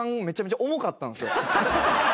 めちゃめちゃ重かったんすよ。